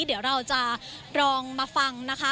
เดี๋ยวเราจะลองมาฟังนะคะ